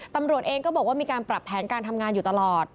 ตำรวจเองก็บอกว่ามีการปรับแผนการทำงานอยู่ตลอด